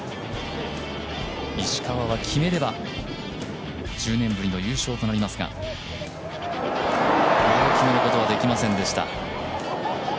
石川は決めれば１０年ぶりの優勝となりますがこれを決めることはできませんでした。